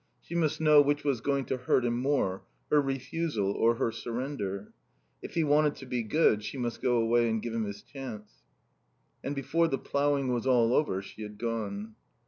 She must know which was going to hurt him more, her refusal or her surrender. If he wanted "to be good" she must go away and give him his chance. And before the ploughing was all over she had gone.